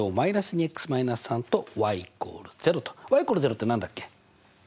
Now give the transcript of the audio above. ＝０って何だっけ？